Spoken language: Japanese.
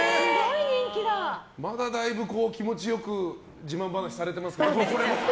まだだいぶ気持ちよく自慢話されてますけど。